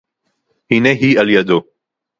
הִנֵּה הִיא עַל־יָדוֹ